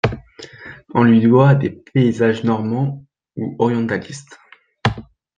On lui doit des paysages normands ou orientalistes.